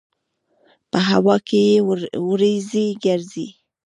په هوا کې یې وريځې ګرځي.